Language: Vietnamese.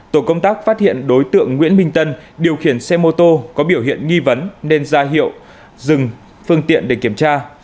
tổ công tác phát hiện đối tượng nguyễn minh tân điều khiển xe mô tô có biểu hiện nghi vấn nên ra hiệu dừng phương tiện để kiểm tra